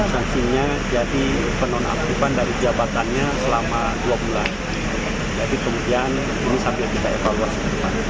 sanksinya jadi penonaktifan dari jabatannya selama dua bulan jadi kemudian ini sambil kita evaluasi ke depan